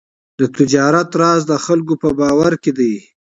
د تجارت راز د خلکو په باور کې دی.